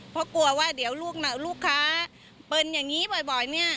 เพราะกลัวว่าเดี๋ยวลูกค้าเป็นอย่างนี้บ่อยเนี่ย